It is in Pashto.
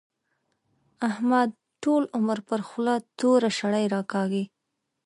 احمد ټول عمر پر خوله توره شړۍ راکاږي.